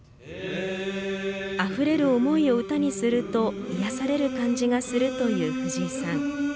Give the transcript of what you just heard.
あふれる思いを歌にすると癒やされる感じがするという藤井さん。